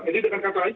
jadi dengan kata lain